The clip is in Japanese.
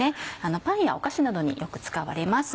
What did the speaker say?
パンやお菓子などによく使われます。